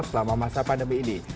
selama masa pandemi ini